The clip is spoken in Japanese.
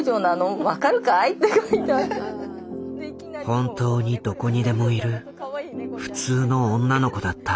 本当にどこにでもいる普通の女の子だった。